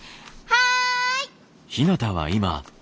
はい。